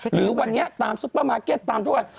หรือวันนี้ตามซุปเปอร์มาร์เก็ตตามทุกวัน